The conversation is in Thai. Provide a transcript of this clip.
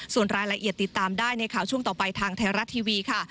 ส่วนรายละเอียดติดตามได้ในข่าวช่วงต่อไปทางไทยรัฐทีวีค่ะ